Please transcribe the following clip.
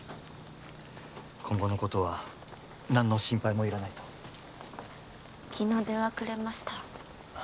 今後のことは何の心配もいらないと昨日電話くれました